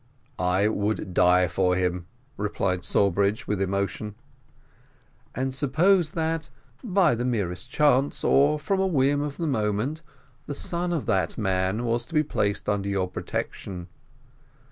"I would die for him," replied Sawbridge, with emotion. "And suppose that, by the merest chance, or from a whim of the moment, the son of that man was to be placed under your protection?"